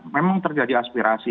memang terjadi aspirasi